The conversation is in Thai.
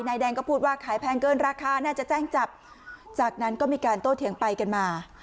นายแดงก็พูดว่าขายแพงเกินราคาน่าจะแจ้งจับจากนั้นก็มีการโต้เถียงไปกันมา